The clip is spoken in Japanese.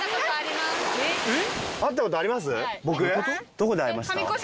どこで会いました？